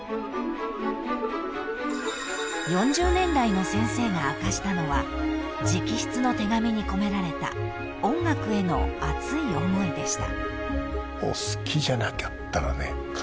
［４０年来の先生が明かしたのは直筆の手紙に込められた音楽への熱い思いでした］